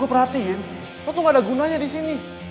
gue perhatiin lu tuh gak ada gunanya di sini